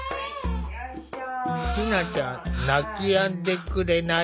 ひなちゃん泣きやんでくれない。